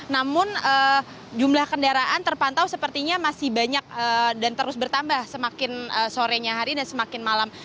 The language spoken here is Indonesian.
namun jumlah kendaraan terpantau sepertinya masih banyak dan terus bertambah semakin sorenya hari dan semakin malam